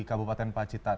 kabupaten pak citan